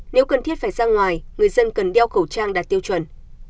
nếu cần thiết phải ra ngoài người dân cần đeo khẩu trang đạt tiêu chuẩn